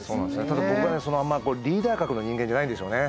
ただ僕がねあんまリーダー格の人間じゃないんでしょうね。